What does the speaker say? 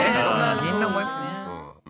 みんな思います。